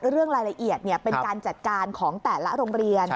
เรื่องรายละเอียดเป็นการจัดการของแต่ละโรงเรียน